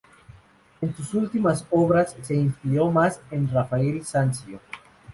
En sus últimas obras se inspiró más en Rafael Sanzio.